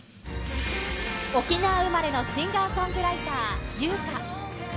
沖縄生まれのシンガーソングライター、由薫。